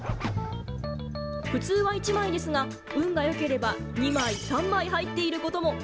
普通は１枚ですが、運がよければ２枚、３枚入っていることも。